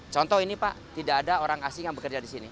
contoh ini pak tidak ada orang asing yang bekerja di sini